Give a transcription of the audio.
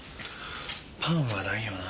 パンはないよな。